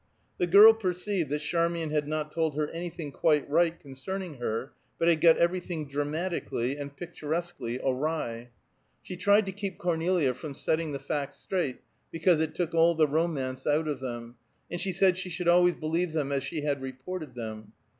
The girl perceived that Charmian had not told her anything quite right concerning her, but had got everything dramatically and picturesquely awry. She tried to keep Cornelia from setting the facts straight, because it took all the romance out of them, and she said she should always believe them as she had reported them.